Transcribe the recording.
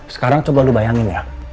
sekarang coba lu bayangin ya